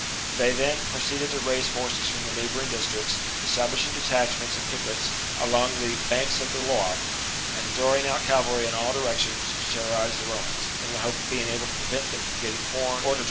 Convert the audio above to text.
They then proceeded to raise forces from the neighbouring districts, establishing detachments and piquets along the banks of the Loire, and throwing out cavalry in all directions to terrorize the Romans, in the hope of being able to prevent them from getting corn or to drive them, under stress of destitution, to make for the Province.